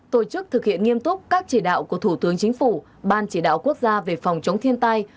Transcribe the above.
tổ chức thực hiện nghiêm túc các chỉ đạo của thủ tướng chính phủ ban chỉ đạo quốc gia về phòng chống thiên tai